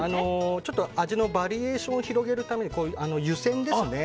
ちょっと味のバリエーションを広げるために、湯煎ですね。